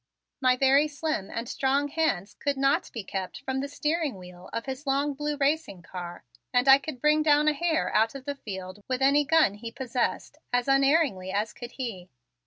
My very slim and strong hands could not be kept from the steering wheel of his long blue racing car, and I could bring down a hare out of the field with any gun he possessed as unerringly as could he.